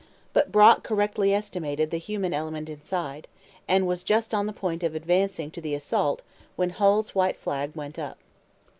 But Brock correctly estimated the human element inside, and was just on the point of advancing to the assault when Hull's white flag went up.